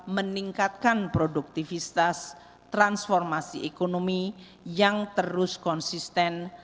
meningkatkan produktivitas transformasi ekonomi yang terus konsisten